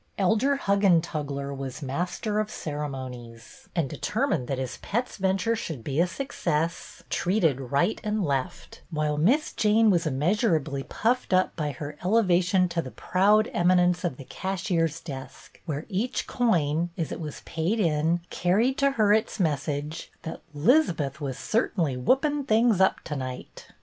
Elder Huggentugler was master of ceremonies and, determined that his pet's venture should be a success, 14 210 BETTY BAIRD treated right and left; while Miss Jane was immeasurably puffed up by her elevation to the proud eminence of the cashier's desk, vvliere each coin, as it was paid in, carried to her its message that " 'Lizbeth was certny whoopin' things up t' night."